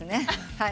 はい。